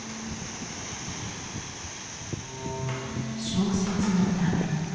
小説も駄目。